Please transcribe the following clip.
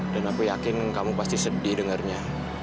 dan aku yakin kamu pasti sedih dengernya